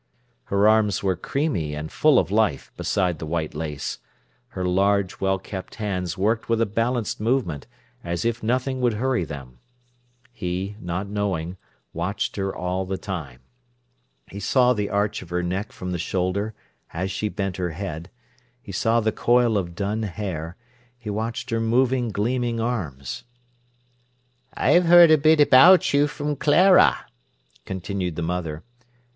Her arms were creamy and full of life beside the white lace; her large, well kept hands worked with a balanced movement, as if nothing would hurry them. He, not knowing, watched her all the time. He saw the arch of her neck from the shoulder, as she bent her head; he saw the coil of dun hair; he watched her moving, gleaming arms. "I've heard a bit about you from Clara," continued the mother.